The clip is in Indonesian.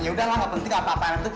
ya allah boleh lihat anak apaan sih